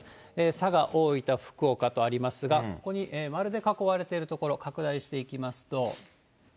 佐賀、大分、福岡とありますが、ここに丸で囲われているところ、拡大していきますと。